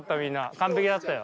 完璧だったよ。